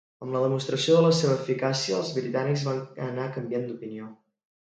Amb la demostració de la seva eficàcia els britànics van anar canviant d'opinió.